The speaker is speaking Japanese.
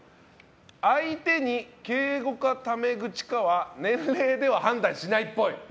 相手に敬語かタメ口かは年齢では判断しないっぽい。